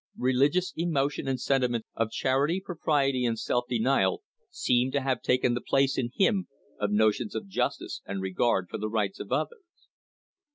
Religious emotion and sentiments of charity, propriety and self denial seem to have taken the place in him of notions of justice and regard for the rights of others.